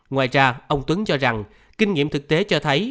ngoài ra ông tuấn cho rằng kinh nghiệm thực tế cho thấy